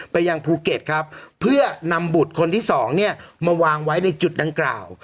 ยังภูเก็ตครับเพื่อนำบุตรคนที่สองเนี่ยมาวางไว้ในจุดดังกล่าว